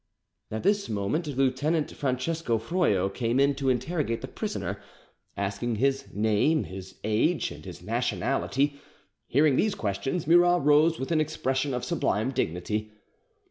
At this moment Lieutenant Francesco Froio came in to interrogate the prisoner, asking his name, his age, and his nationality. Hearing these questions, Murat rose with an expression of sublime dignity.